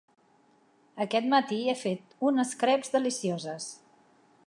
Aquest matí he fet unes creps delicioses.